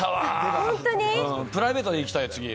プライベートで行きたい、次。